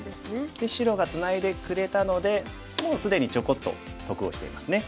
で白がツナいでくれたのでもう既にちょこっと得をしていますね。